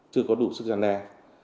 chưa có đủ sức gian đe